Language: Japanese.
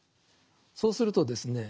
そうするとですね